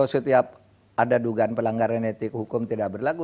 setiap ada dugaan pelanggaran etik hukum tidak berlaku